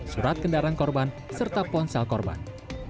surat kendaraan korban serta ponsel korban